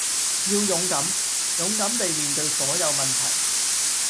要勇敢，勇敢地面對所有問題